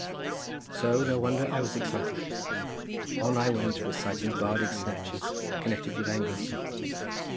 So no wonder I was excited. On I went reciting bardic snatches connected with Anglesey.